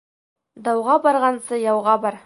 Дауға барғансы яуға бар.